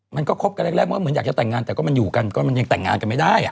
มันก็คบกันแรกเมื่อเหมือนอยากจะแต่งงานแต่ก็มันอยู่กันก็มันยังแต่งงานกันไม่ได้